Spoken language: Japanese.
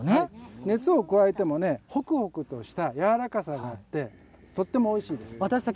熱を加えてもほくほくとしたやわらかさがあって、おいしいです。